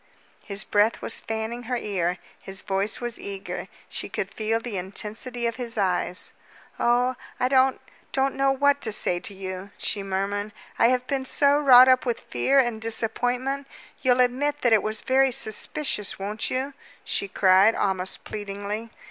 His breath was fanning her ear, his voice was eager; she could feel the intensity of his eyes. "Oh, I don't don't know what to say to you," she murmured. "I have been so wrought up with fear and disappointment. You'll admit that it was very suspicious, won't you?" she cried, almost pleadingly.